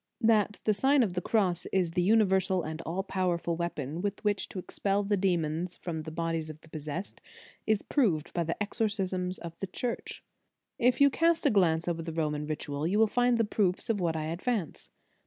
That the Sign of the Cross is the univer sal and all powerful weapon with which to expel the demons from the bodies of the pos sessed, is proved by the exorcisms of the Church. If you cast a glance over the Roman Ritual, you will find the proof of what I ad vance.